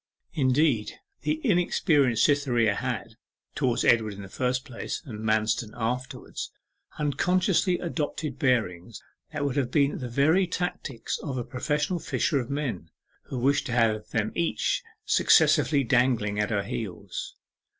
Indeed, the inexperienced Cytherea had, towards Edward in the first place, and Manston afterwards, unconsciously adopted bearings that would have been the very tactics of a professional fisher of men who wished to have them each successively dangling at her heels.